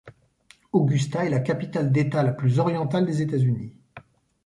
Augusta est la capitale d'État la plus orientale des États-Unis.